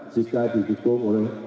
jika didukung oleh